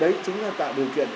đấy chính là tạo điều kiện